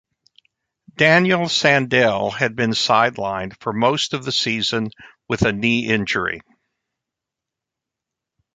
Daniel Sandell had been sidelined for most of the season with a knee injury.